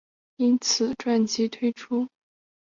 因此专辑推出跟演唱会后亦受到高度评价。